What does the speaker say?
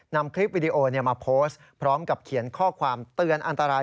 นำคลิปวิดีโอมาโพสต์พร้อมกับเขียนข้อความเตือนอันตราย